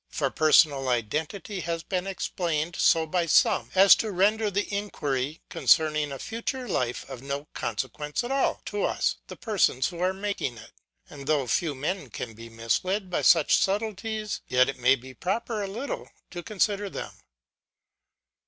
For personal identity has been explained so by some, as to render the inquiry concerning a future life of no consequence at all to us the persons who are making it. And though few men can be misled by such subtleties, yet it may be proper a little to consider them.